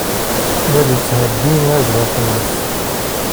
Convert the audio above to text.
La d-yettheyyi agdef-nnes.